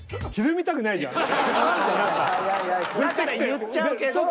だから言っちゃうけど。